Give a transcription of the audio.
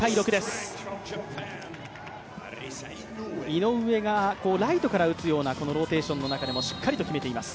井上がライトから打つようなローテーションの中でもしっかりと決めています。